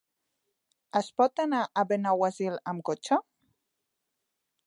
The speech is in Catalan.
Es pot anar a Benaguasil amb cotxe?